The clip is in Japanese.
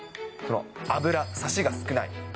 脂、サシが少ない。